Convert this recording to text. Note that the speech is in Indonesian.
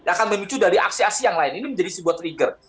akan memicu dari aksi aksi yang lain ini menjadi sebuah trigger